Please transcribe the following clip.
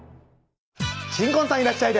新婚さんいらっしゃい！